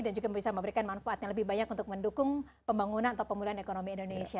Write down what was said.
dan juga bisa memberikan manfaat yang lebih banyak untuk mendukung pembangunan atau pemulihan ekonomi indonesia